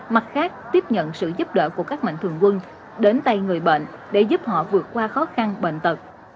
mặt khác tiếp nhận sự giúp đỡ của các mạnh thường quân đến tay người bệnh để giúp họ vượt qua khó khăn bệnh tật